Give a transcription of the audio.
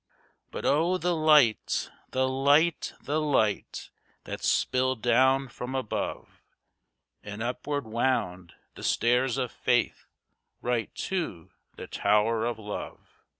But oh the light, the light, the light, that spilled down from above And upward wound, the stairs of Faith, right to the Tower of Love!